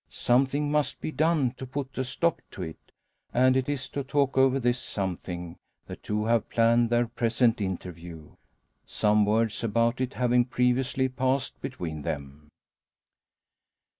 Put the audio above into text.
Something must be done to put a stop to it; and it is to talk over this something the two have planned their present interview some words about it having previously passed between them.